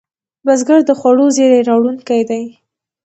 بزګر د خوړو زېری راوړونکی دی